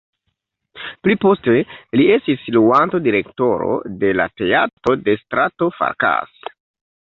Pli poste li estis luanto-direktoro de la Teatro de strato Farkas.